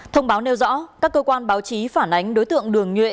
thông báo nêu rõ các cơ quan báo chí phản ánh đối tượng đường nhuệ